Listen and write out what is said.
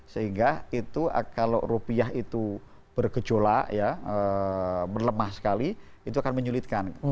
sehingga itu kalau rupiah itu bergejolak ya melemah sekali itu akan menyulitkan